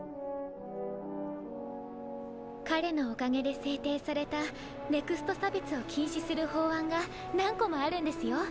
彼のおかげで制定されたＮＥＸＴ差別を禁止する法案が何個もあるんですよ。